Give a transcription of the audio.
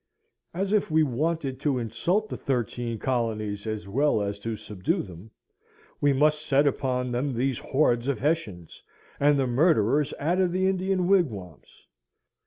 As if we wanted to insult the thirteen colonies as well as to subdue them, we must set upon them these hordes of Hessians, and the murderers out of the Indian wigwams.